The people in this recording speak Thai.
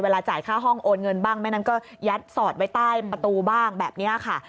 จ่ายค่าห้องโอนเงินบ้างไม่งั้นก็ยัดสอดไว้ใต้ประตูบ้างแบบนี้ค่ะ